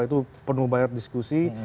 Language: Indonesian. itu penuh banyak diskusi